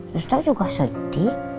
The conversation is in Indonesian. sus tuh juga sedih